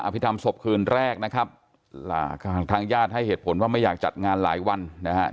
พิธรรมศพคืนแรกนะครับทางญาติให้เหตุผลว่าไม่อยากจัดงานหลายวันนะครับ